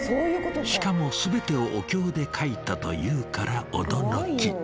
しかも全てをお経で書いたというから驚き。